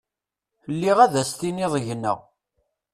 Lliɣ ad s-tiniḍ gneɣ.